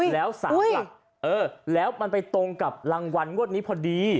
แล้ว๓หลักเออแล้วมันไปตรงกับรางวัลงวดนี้พอดี